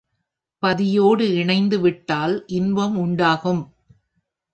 பதியோடு இணைந்துவிட்டால் இன்பம் உண்டாகும்.